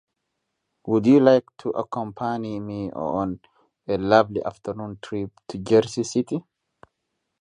Would you like to accompany me on a lovely afternoon trip to Jersey City?